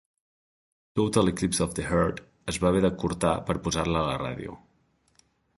"Total Eclipse of the Heart" es va haver d'acurtar per posar-la a la ràdio.